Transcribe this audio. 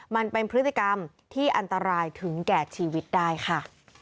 มันเป็นพฤติกรรมที่อันตรายถึงแก่ชีวิตได้ค่ะ